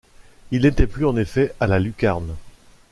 Il n’était plus en effet à la lucarne.